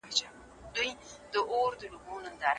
ایا قحطۍ اقتصاد زیانمن کړی دی؟